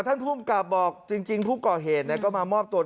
ท่านภูมิกับบอกจริงผู้ก่อเหตุก็มามอบตัว